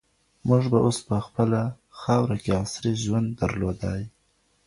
موږ به اوس په خپله خاوره کي عصري ژوند درلودای.